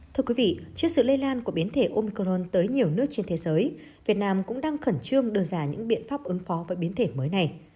thưa quý vị trước sự lây lan của biến thể omcron tới nhiều nước trên thế giới việt nam cũng đang khẩn trương đưa ra những biện pháp ứng phó với biến thể mới này